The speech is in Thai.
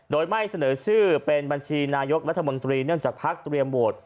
โดยไม่เสนอชื่อเป็นบัญชีนายกรัฐมนตรีเนื่องจากพักเตรียมโหวต